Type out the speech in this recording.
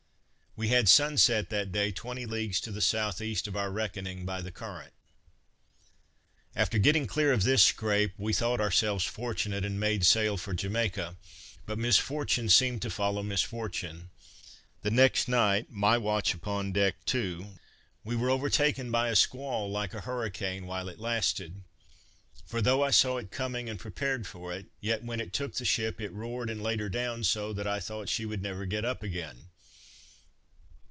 We had sunset that day twenty leagues to the south east of our reckoning by the current. After getting clear of this scrape, we thought ourselves fortunate, and made sail for Jamaica, but misfortune seemed to follow misfortune. The next night, my watch upon deck too, we were overtaken by a squall, like a hurricane while it lasted; for though I saw it coming, and prepared for it, yet, when it took the ship, it roared, and laid her down so, that I thought she would never get up again.